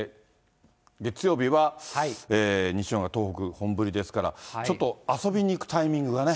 月曜日は西日本や東北、本降りですから、ちょっと遊びに行くタイミングがね。